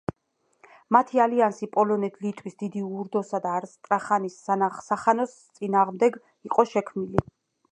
მათი ალიანსი პოლონეთ-ლიტვის, დიდი ურდოსა და ასტრახანის სახანოს წინააღმდეგ იყო შექმნილი.